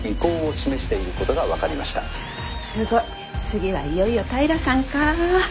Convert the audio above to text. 次はいよいよ平さんか。